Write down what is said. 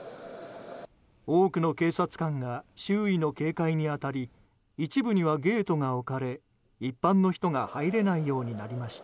多くの警察官が周囲の警戒に当たり一部にはゲートが置かれ一般の人が入れないようになりました。